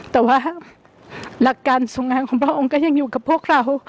แต่ว่าหลักการทรงงานของพระองค์ก็ยังอยู่กับพวกเรา